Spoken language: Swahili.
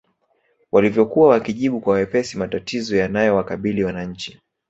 Walivyokuwa wakijibu kwa wepesi matatizo yanayowakabili wananchi